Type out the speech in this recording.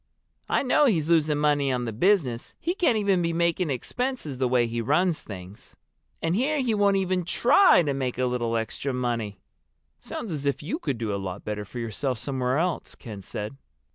I know he's losing money on the business. He can't even be making expenses, the way he runs things. And here he won't even try to make a little extra money!" "Sounds as if you could do a lot better for yourself somewhere else," Ken said.